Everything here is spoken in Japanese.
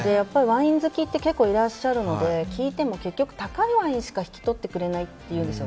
ワイン好きって結構いらっしゃるので聞いても、結局高いワインしか引き取ってくれないっていうんです。